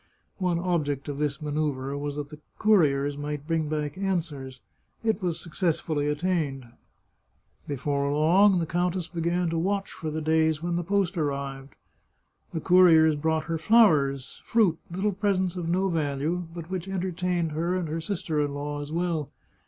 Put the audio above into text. One object of this mancEuvre was that the couriers might bring back answers. It was successfully attained. Before long the countess began to watch for the days 1 06 The Chartreuse of Parma when the post arrived. The couriers brought her flowers, fruit, Httle presents of no value, but which entertained her and her sister in law as well.